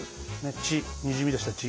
血にじみ出した血。